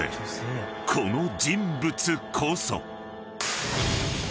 ［この人物こそ］